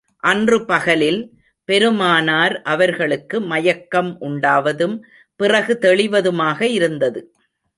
அன்று பகலில், பெருமானார் அவர்களுக்கு மயக்கம் உண்டாவதும், பிறகு தெளிவதுமாக இருந்தது.